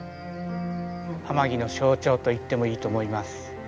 天城の象徴と言ってもいいと思います。